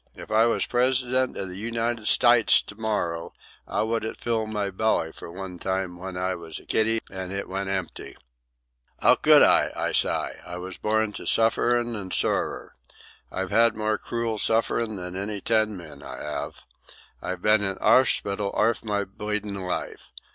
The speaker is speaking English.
If I was President of the United Stytes to morrer, 'ow would it fill my belly for one time w'en I was a kiddy and it went empty? "'Ow could it, I s'y? I was born to sufferin' and sorrer. I've had more cruel sufferin' than any ten men, I 'ave. I've been in orspital arf my bleedin' life.